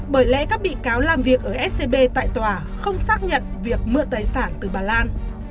bởi lẽ các bị cáo làm việc ở scb tại tòa không xác nhận việc mượn tài sản từ bà lan